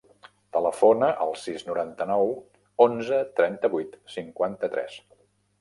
Telefona al sis, noranta-nou, onze, trenta-vuit, cinquanta-tres.